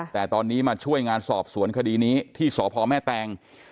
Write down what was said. แต่ตอนนี้มาช่วยงานสอบสวนคดีนี้ที่สพแม่แตง